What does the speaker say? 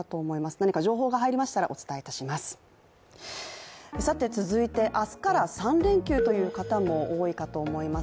何か情報が入りましたらお伝えいたします。